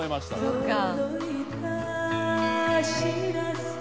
そっか。